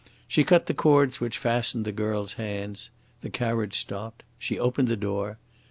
She cut the cords which fastened the girl's hands. The carriage stopped. She opened the door.